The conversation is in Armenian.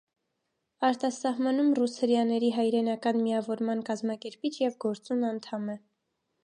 «Արտասահմանում ռուս հրեաների հայրենական միավորման» կազմակերպիչ և գործուն անդամ է։